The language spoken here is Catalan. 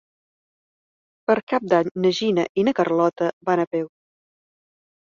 Per Cap d'Any na Gina i na Carlota van a Pego.